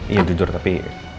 iya jujur tapi